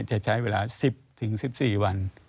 จะใช้เวลา๑๐๑๔วัน